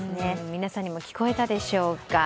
皆さんにも聞こえたでしょうか。